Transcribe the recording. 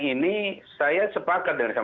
ini saya sepakat dengan